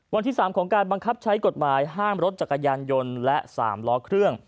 วันที่๓ของการบังคับใช้กฎหมายห้ามรถจักรยานยนต์และ๓ล้อเครื่อง